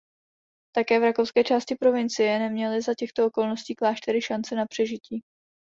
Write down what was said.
Také v rakouské části provincie neměly za těchto okolností kláštery šanci na přežití.